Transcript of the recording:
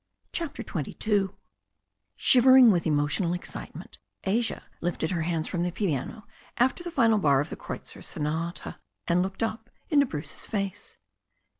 CHAPTER XXII SHIVERING with emotional excitement, Asia lifted her hands from the piano, after the final bar of the Kreutzer Sonata, and looked up into Bruce's face.